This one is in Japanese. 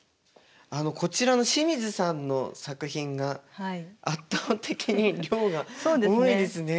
こちらの清水さんの作品が圧倒的に量が多いですね。